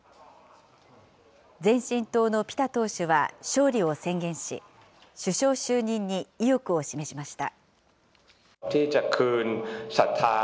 前進党のピタ党首は勝利を宣言し、首相就任に意欲を示しました。